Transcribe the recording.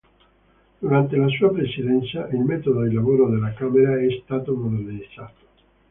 Durante la sua presidenza il metodo di lavoro della Camera è stato modernizzato.